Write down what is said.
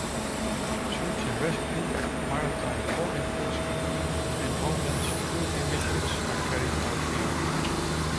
Search and Rescue, maritime law enforcement, and Homeland Security missions are carried out here.